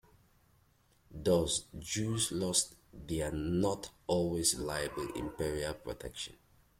Thus Jews lost their - not always reliable - imperial protection.